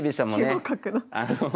９五角の。